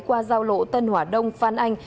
qua giao lộ tân hỏa đông phan anh